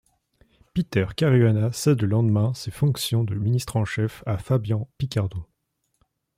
Peter Caruana cède le lendemain ses fonctions de ministre en chef à Fabian Picardo.